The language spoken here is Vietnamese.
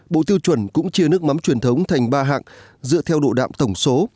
bộ tiêu chuẩn cũng chia nước mắm truyền thống thành ba hạng dựa theo độ đạm tổng số